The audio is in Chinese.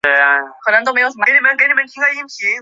竹峪乡是中国陕西省西安市周至县下辖的一个乡。